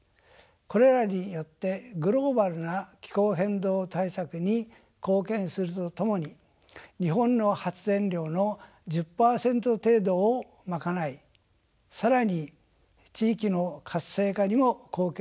これらによってグローバルな気候変動対策に貢献するとともに日本の発電量の１０％程度を賄い更に地域の活性化にも貢献できると思っています。